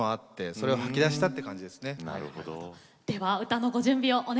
それを吐き出したって感じですかね。